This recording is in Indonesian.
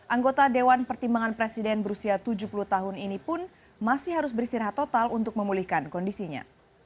anggota dewan pertimbangan presiden berusia tujuh puluh tahun ini pun masih harus beristirahat total untuk memulihkan kondisinya